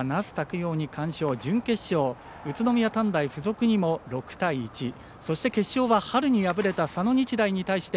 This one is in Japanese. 陽に完勝準決勝、宇都宮短大付属にも６対１そして、決勝戦は春に敗れた佐野日大に対して